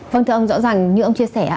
vâng thưa ông rõ ràng như ông chia sẻ